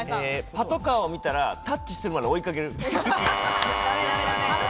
パトカーを見たらタッチするまで追いかける。